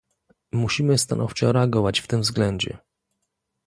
Musimy stanowczo reagować w tym względzie